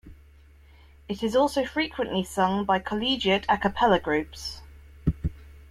It is also frequently sung by collegiate a cappella groups.